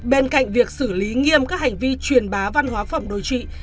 bên cạnh việc xử lý nghiêm các hành vi truyền bá văn hóa phẩm đồi trị